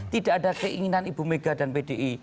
tidak ada keinginan ibu mega dan pdi